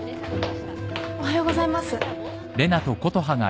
おはようございます。